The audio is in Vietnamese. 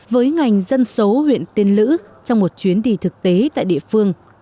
với ngành dân số huyện tiên lữ trong một chuyến đi thực tế tại địa phương